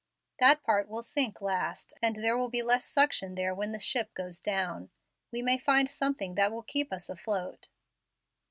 That part will sink last, and there will be less suction there when the ship goes down. We may find something that will keep us afloat."